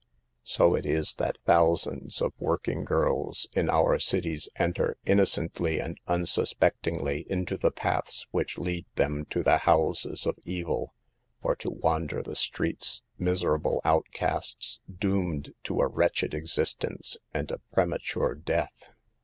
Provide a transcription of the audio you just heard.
So it is that thousands of working girls in our cities enter, innocently and unsuspectingly, into the paths which lead them to the houses of evil, or to wander the streets, miserable out casts, doomed to a wretched existence and a premature death.